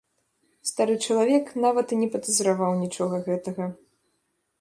Стары чалавек нават і не падазраваў нічога гэтага.